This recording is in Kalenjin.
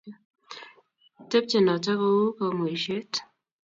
Tepche notok kou kamweishet